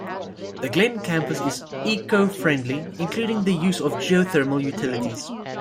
The Glenn Campus is eco-friendly, including the use of geo-thermal utilities.